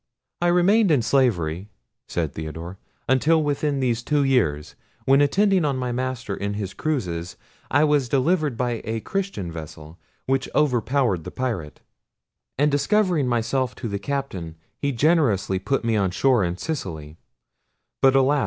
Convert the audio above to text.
"I remained in slavery," said Theodore, "until within these two years, when attending on my master in his cruises, I was delivered by a Christian vessel, which overpowered the pirate; and discovering myself to the captain, he generously put me on shore in Sicily; but alas!